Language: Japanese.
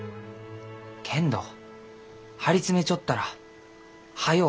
けんど張り詰めちょったら速う